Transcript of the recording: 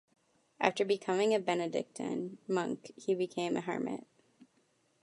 After becoming a Benedictine monk, he became a hermit.